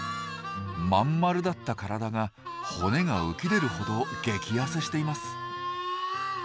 まんまるだった体が骨が浮き出るほど激ヤセしています。